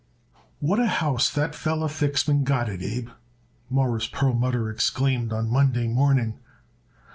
"What a house that feller Fixman got it, Abe," Morris Perlmutter exclaimed on Monday morning.